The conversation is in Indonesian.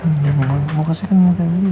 engga mau kasih kan mau kaya gini